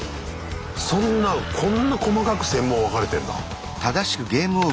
そんなこんな細かく専門分かれてんだ。